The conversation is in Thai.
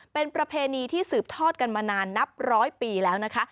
เป็นประเพณีที่สืบทอดกันมานานนับร้อยปีแล้วนะคะ